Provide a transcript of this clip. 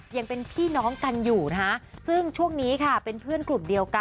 ยังเป็นพี่น้องกันอยู่นะคะซึ่งช่วงนี้ค่ะเป็นเพื่อนกลุ่มเดียวกัน